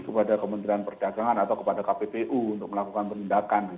kepada kementerian perdagangan atau kepada kppu untuk melakukan penindakan